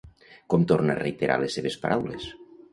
Com torna a reiterar les seves paraules?